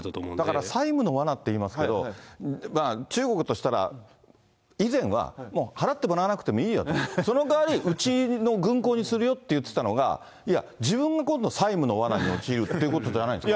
だから債務のわなっていいますけど、中国としたら、以前は払ってもらわなくてもいいよと、その代わり、うちの軍港にするよって言ってたのが、いや、自分が今度、債務のわなに陥るってことじゃないですか。